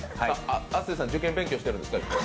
亜生さん、受験勉強してるんですか？